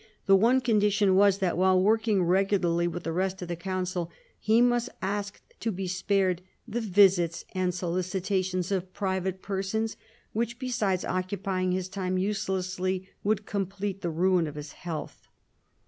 The one condition was that, while working regularly with the rest of the Council, he must ask to be spared " the visits and solicitations of private persons," which, besides occupying his time uselessly, would complete the ruin of his health.